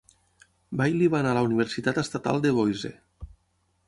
Bailey va anar a la Universitat Estatal de Boise.